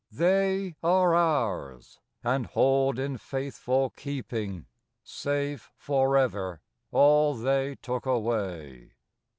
They are ours, and hold in faithful keeping, Safe forever all they took away.